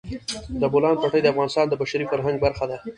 د بولان پټي د افغانستان د بشري فرهنګ برخه ده.